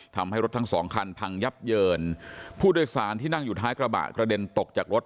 ทำให้รถทั้งสองคันพังยับเยินผู้โดยสารที่นั่งอยู่ท้ายกระบะกระเด็นตกจากรถ